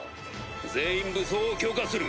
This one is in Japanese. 全員武装を許可する。